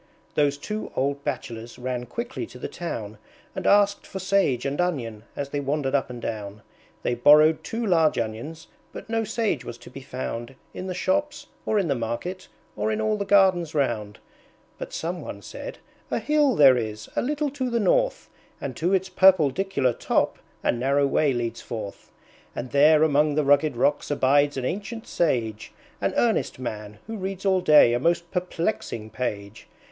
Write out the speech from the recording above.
Those two old Bachelors ran quickly to the town And asked for Sage and Onion as they wandered up and down; They borrowed two large Onions, but no Sage was to be found In the Shops, or in the Market, or in all the Gardens round. But some one said, "A hill there is, a little to the north, And to its purpledicular top a narrow way leads forth; And there among the rugged rocks abides an ancient Sage, An earnest Man, who reads all day a most perplexing page.